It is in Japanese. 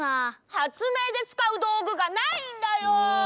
発明でつかうどうぐがないんだよ。